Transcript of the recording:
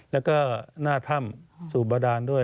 แล้วก็หน้าถ้ำสู่บาดานด้วย